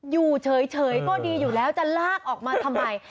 อยู่เฉยก็ดีอยู่แล้วจะลากออกมาทำไม